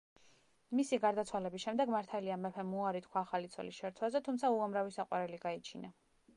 მისი გარდაცვალების შემდეგ მართალია მეფემ უარი თქვა ახალი ცოლის შერთვაზე, თუმცა უამრავი საყვარელი გაიჩინა.